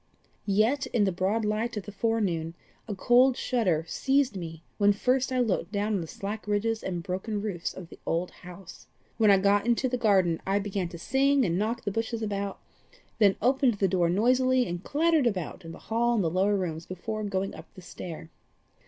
Yet, in the broad light of the forenoon, a cold shudder seized me when first I looked down on the slack ridges and broken roofs of the old house. When I got into the garden I began to sing and knock the bushes about, then opened the door noisily, and clattered about in the hall and the lower rooms before going up the stair.